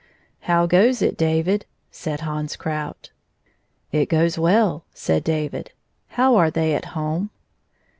" How goes it, David ?" said Hans Krout 170 " It goes well/^ said David, " How are they at home